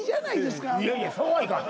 いやいやそうはいかん。